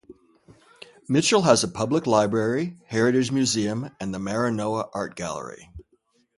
Mitchell has a public library, heritage museum and the Maranoa art gallery.